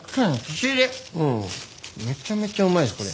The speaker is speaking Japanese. めちゃめちゃうまいですこれ。